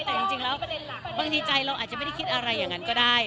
แต่จริงแล้วบางทีใจเราอาจจะไม่ได้คิดอะไรอย่างนั้นก็ได้